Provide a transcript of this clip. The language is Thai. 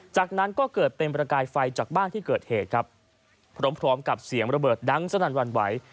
จากนั้นก็เกิดเป็นประกายไฟจากบ้านที่เกิดเหตุครับพร้อมพร้อมกับเสียงระเบิดดังสนั่นวันไหว